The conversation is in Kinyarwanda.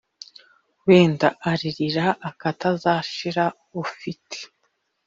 Wenda aririra akatazashira ufite